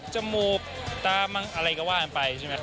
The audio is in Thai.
จมูกตามั้งอะไรก็ว่ากันไปใช่ไหม